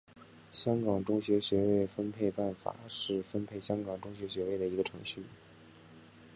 香港中学学位分配办法是分配香港中学学位的一个程序。